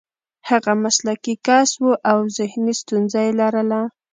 هغه مسلکي کس و او ذهني ستونزه یې لرله